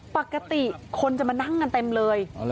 ปกติคนจะมานั่งกันเต็มเลย